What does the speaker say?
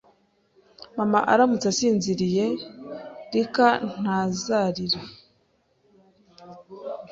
Mama aramutse asinziriye Lyca ntazarira